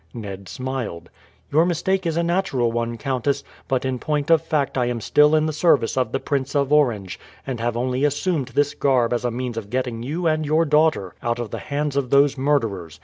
Ned smiled. "Your mistake is a natural one, countess; but in point of fact I am still in the service of the Prince of Orange, and have only assumed this garb as a means of getting you and your daughter out of the hands of those murderers.